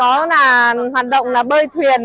ở đây có hoạt động bơi thuyền